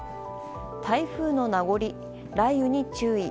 台風の名残、雷雨に注意。